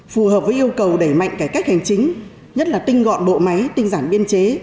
phù hợp với yêu cầu đẩy mạnh cải cách hành chính nhất là tinh gọn bộ máy tinh giản biên chế